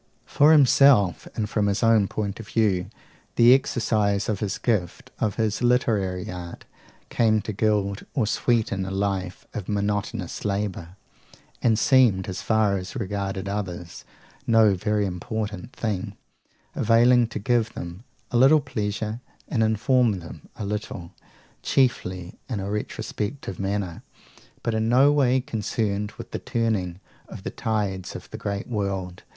For himself, and from his own point of view, the exercise of his gift, of his literary art, came to gild or sweeten a life of monotonous labour, and seemed, as far as regarded others, no very important thing; availing to give them a little pleasure, and inform them a little, chiefly in a retrospective manner, but in no way concerned with the turning of the tides of the great world.